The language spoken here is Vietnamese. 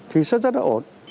thì sẽ rất là ổn